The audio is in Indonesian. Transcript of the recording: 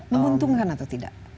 menguntungkan atau tidak